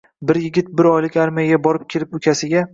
Bir yigit bir oylik armiyaga borib kelib ukasiga